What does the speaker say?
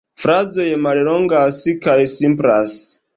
Frazoj mallongas kaj simplas.